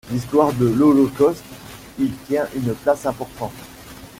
L'histoire de l'holocauste y tient une place importante.